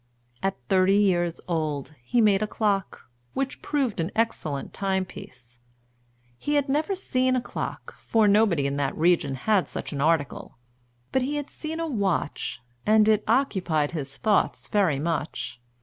At thirty years old, he made a clock, which proved an excellent timepiece. He had never seen a clock, for nobody in that region had such an article; but he had seen a watch, and it occupied his thoughts very much.